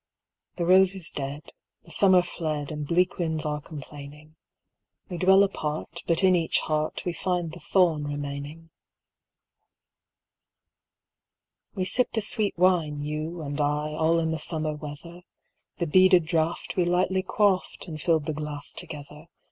The rose is dead, the summer fled, And bleak winds are complaining; We dwell apart, but in each heart We find the thorn remaining. We sipped a sweet wine, you and I, All in the summer weather. The beaded draught we lightly quaffed, And filled the glass together.